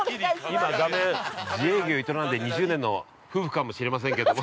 今、画面、自営業営んで２０年の夫婦かもしれませんけども。